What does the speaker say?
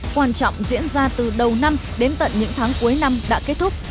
quan trọng diễn ra từ đầu năm đến tận những tháng cuối năm đã kết thúc